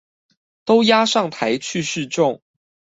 都押上台去示眾